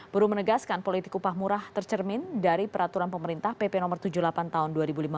buruh menegaskan politik upah murah tercermin dari peraturan pemerintah pp no tujuh puluh delapan tahun dua ribu lima belas